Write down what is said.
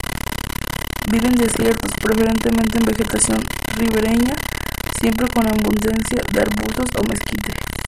Vive en desiertos, preferentemente en vegetación ribereña, siempre con abundancia de arbustos o mezquite.